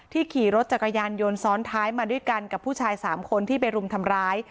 ขี่รถจักรยานยนต์ซ้อนท้ายมาด้วยกันกับผู้ชาย๓คนที่ไปรุมทำร้าย